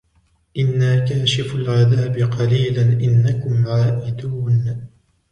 إِنَّا كَاشِفُو الْعَذَابِ قَلِيلًا إِنَّكُمْ عَائِدُونَ